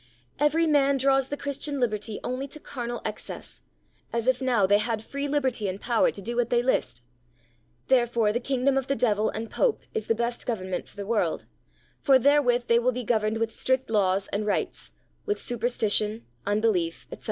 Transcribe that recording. Every man draws the Christian liberty only to carnal excess, as if now they had free liberty and power to do what they list; therefore the kingdom of the devil and Pope is the best government for the world, for therewith they will be governed with strict laws and rights, with superstition, unbelief, etc.